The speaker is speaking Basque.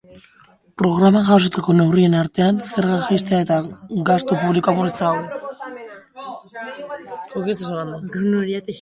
Programan jasotako neurrien artean, zergak jaistea eta gastu publikoa murriztea daude.